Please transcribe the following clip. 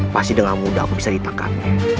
pasti dengan mudah aku bisa ditangkap